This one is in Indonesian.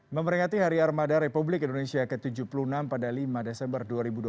memperingati hari armada republik indonesia ke tujuh puluh enam pada lima desember dua ribu dua puluh